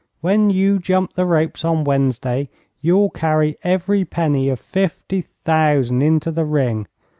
When you jump the ropes on Wednesday, you'll carry every penny of fifty thousand into the ring.